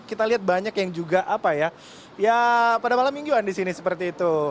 kita lihat banyak yang juga apa ya pada malam mingguan di sini seperti itu